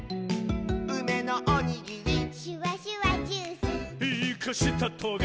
「うめのおにぎり」「シュワシュワジュース」「イカしたトゲ」